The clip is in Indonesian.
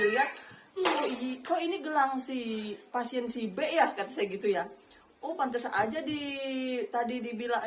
lihat ih kok ini gelang sih pasien si b ya katanya gitu ya oh pantas aja di tadi dibilang